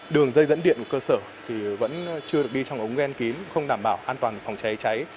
đường dây dẫn điện của cơ sở thì vẫn chưa được đi trong ống gen kín không đảm bảo an toàn phòng cháy cháy